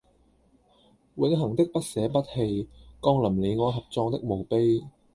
永恆的不捨不棄降臨你我合葬的墓碑